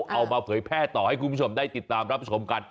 เอามาเผยแพร่ต่อให้คุณผู้ชมได้ติดตามรับชมกัน